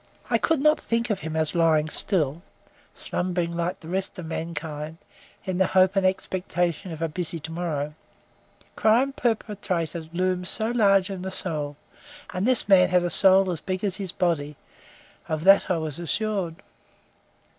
I could not think of him as lying still slumbering like the rest of mankind, in the hope and expectation of a busy morrow. Crime perpetrated looms so large in the soul, and this man had a soul as big as his body; of that I was assured.